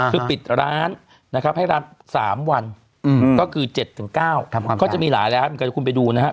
คือปิดร้านให้รับ๓วันก็คือ๗๙ก็จะมีหลายร้านก็คุณไปดูนะครับ